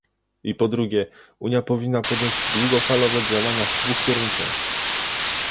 I po drugie, Unia powinna podjąć długofalowe działania w dwóch kierunkach